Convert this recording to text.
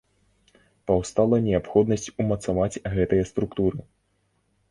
Паўстала неабходнасць умацаваць гэтыя структуры.